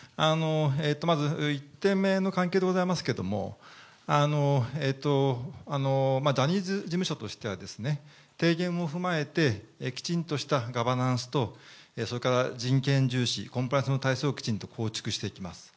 まず、１点目の関係でございますけれども、ジャニーズ事務所としては、提言を踏まえて、きちんとしたガバナンスとそれから人権重視、コンプライアンスの体制をきちんと構築していきます。